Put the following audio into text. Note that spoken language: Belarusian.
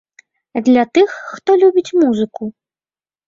Для тых, хто любіць музыку.